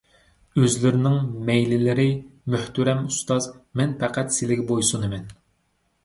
ئۆزلىرىنىڭ مەيلىلىرى، مۆھتەرەم ئۇستاز، مەن پەقەت سىلىگە بويسۇنىمەن.